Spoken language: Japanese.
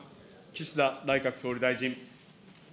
岸田内閣総理大臣。